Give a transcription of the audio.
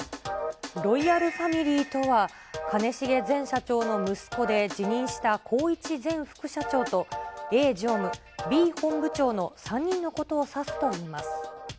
ロイヤルファミリーとは、兼重前社長の息子で辞任した宏一前副社長と、Ａ常務、Ｂ本部長の３人のことを指すといいます。